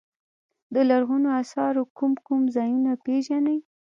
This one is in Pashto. د لرغونو اثارو کوم کوم ځایونه پيژنئ.